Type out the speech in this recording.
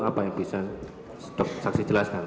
apa yang bisa dok saksi jelaskan